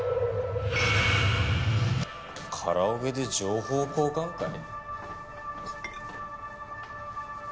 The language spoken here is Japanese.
カラオケで情報交換会？